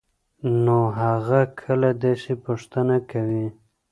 نو هغه کله داسې پوښتنه کوي؟؟